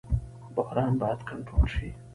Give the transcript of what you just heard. بحران باید کنټرول شي